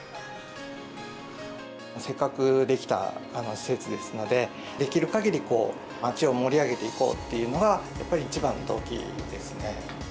せっかく出来た施設ですので、できるかぎり、街を盛り上げていこうっていうのが、やっぱり一番ですね。